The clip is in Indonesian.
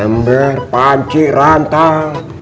ember pancik rantang